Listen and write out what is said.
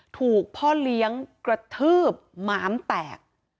ถูกพ่อเลี้ยงกระทืบม้ามแตก